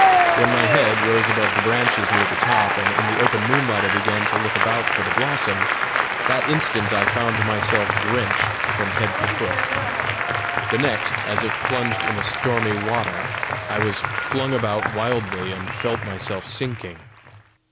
When my head rose above the branches near the top, and in the open moonlight I began to look about for the blossom, that instant I found myself drenched from head to foot. The next, as if plunged in a stormy water, I was flung about wildly, and felt myself sinking.